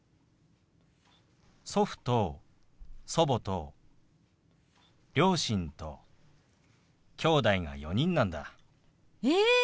祖父と祖母と両親ときょうだいが４人なんだ。え！